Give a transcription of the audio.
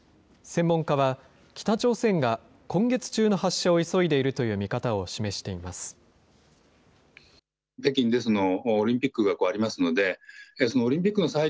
専門家は、北朝鮮が今月中の発射を急いでいるという見方を示しています。